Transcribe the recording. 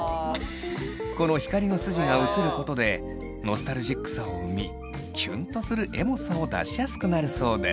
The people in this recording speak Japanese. この光の筋が写ることでノスタルジックさを生みキュンとするエモさを出しやすくなるそうです。